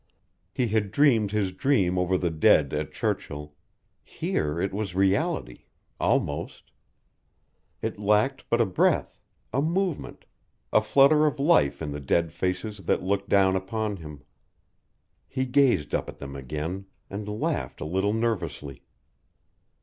He had dreamed his dream over the dead at Churchill; here it was reality almost; it lacked but a breath, a movement, a flutter of life in the dead faces that looked down upon him. He gazed up at them again, and laughed a little nervously.